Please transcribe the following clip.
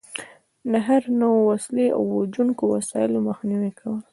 د هر نوع وسلې او وژونکو وسایلو مخنیوی کول.